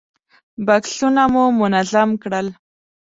بکسونه مو منظم کړل.